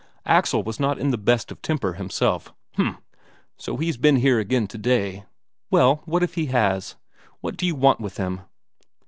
Axel was not in the best of temper himself. "H'm. So he's been here again today?" "Well, what if he has? What do you want with him?"